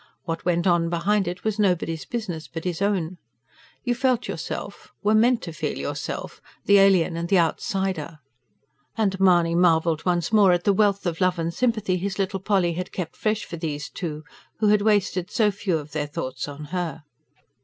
What went on behind it was nobody's business but his own. You felt yourself were meant to feel yourself the alien, the outsider. And Mahony marvelled once more at the wealth of love and sympathy his little Polly had kept fresh for these two, who had wasted so few of their thoughts on her.